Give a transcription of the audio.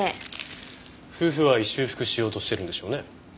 夫婦愛修復しようとしてるんでしょうね。